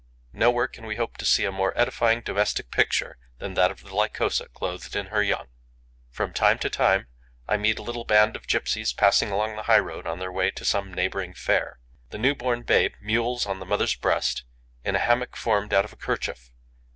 Nowhere can we hope to see a more edifying domestic picture than that of the Lycosa clothed in her young. From time to time, I meet a little band of gipsies passing along the high road on their way to some neighbouring fair. The new born babe mewls on the mother's breast, in a hammock formed out of a kerchief.